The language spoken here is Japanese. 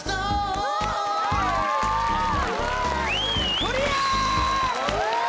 クリア！